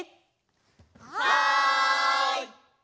はい！